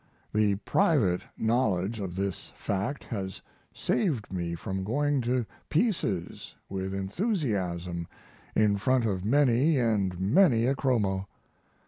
The private knowledge of this fact has saved me from going to pieces with enthusiasm in front of many and many a chromo.